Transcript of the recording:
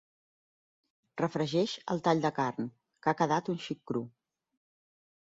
Refregeix el tall de carn, que ha quedat un xic cru.